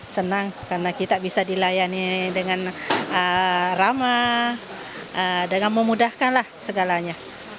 senang karena kita bisa dilayani dengan ramah dengan memudahkanlah segalanya